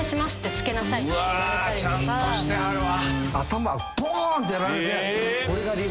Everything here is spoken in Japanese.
ちゃんとしてはるわ。